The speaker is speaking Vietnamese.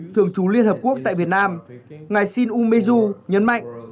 thường trú liên hợp quốc tại việt nam ngài shin u meizu nhấn mạnh